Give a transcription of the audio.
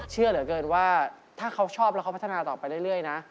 เชื่อเหลือเกินว่าถ้าเขาชอบแล้วเขาพัฒนาต่อไปเรื่อยนะ